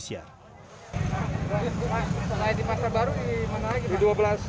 selain di pasar baru di mana lagi